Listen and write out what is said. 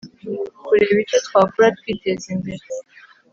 kurebe ucyo twakora twiteze imbere